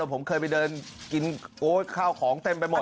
ผมเคยไปเดินกินโอ๊ยข้าวของเต็มไปหมด